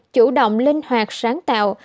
chủ động linh hoạt sáng tạo